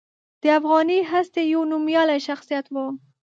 د افغاني هستې یو نومیالی شخصیت و.